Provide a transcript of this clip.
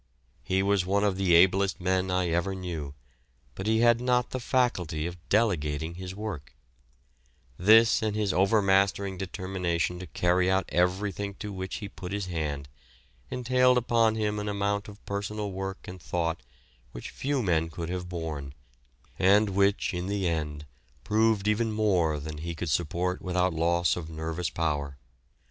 He was one of the ablest men I ever knew, but he had not the faculty of delegating his work; this and his overmastering determination to carry out everything to which he put his hand, entailed upon him an amount of personal work and thought which few men could have borne, and which in the end proved even more than he could support without loss of nervous power.